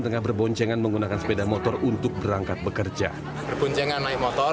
tengah berboncengan menggunakan sepeda motor untuk berangkat bekerja berboncengan naik motor